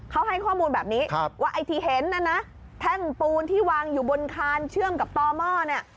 เขาให้ข้อมูลแบบนี้ว่าไอ้ที่เห็นน่ะนะแท่งปูนที่วางอยู่บนคานเชื่อมกับต่อหม้อเนี่ย